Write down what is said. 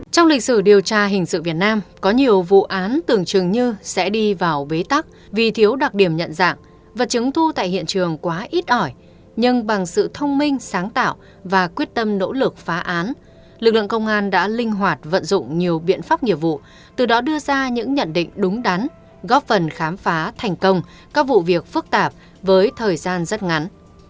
trong lịch sử điều tra hình sự việt nam có nhiều vụ án tưởng chừng như sẽ đi vào bế tắc vì thiếu đặc điểm nhận dạng và chứng thu tại hiện trường quá ít ỏi nhưng bằng sự thông minh sáng tạo và quyết tâm nỗ lực phá án lực lượng công an đã linh hoạt vận dụng nhiều biện pháp nhiệm vụ từ đó đưa ra những nhận định đúng đắn góp phần khám phá thành công các vụ việc phức tạp với thời gian rất ngắn